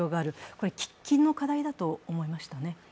これ喫緊の課題だと思いましたね。